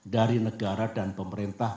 dari negara dan pemerintah